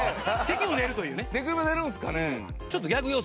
敵も寝るんですかね。